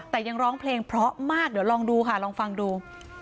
แต่ยังร้องเพลงเพราะมากเดี๋ยวลองดูค่ะลองฟังดู